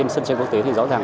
sân chơi quốc tế thì rõ ràng